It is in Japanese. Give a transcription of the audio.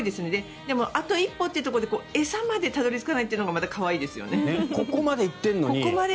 でも、あと一歩というところで餌までたどり着かないのが可愛い。